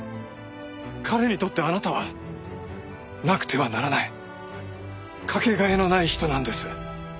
彼にとってあなたはなくてはならないかけがえのない人なんです。